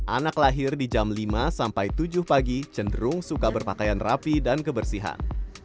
anak lahir di jam lima sampai tujuh pagi cenderung suka berpakaian rapi dan kebersihan